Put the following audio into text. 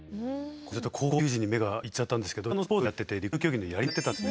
これちょっと高校球児に目が行っちゃったんですけど自分もスポーツやってて陸上競技のやり投げやってたんですね。